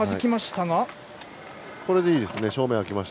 これでいいです。